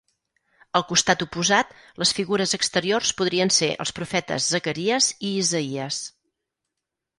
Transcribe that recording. Al costat oposat, les figures exteriors podrien ser els profetes Zacaries i Isaïes.